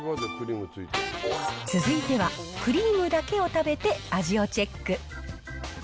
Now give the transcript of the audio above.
続いては、クリームだけを食べて味をチェック。